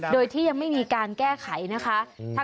โดยที่ยังไม่มีการแก้ไขนะคะ